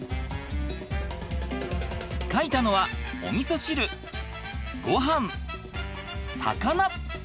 描いたのはおみそ汁ごはん魚。